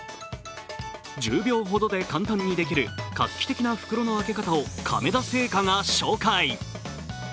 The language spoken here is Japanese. １０秒ほどで簡単にできる画期的な袋の開け方を亀田製菓が紹介。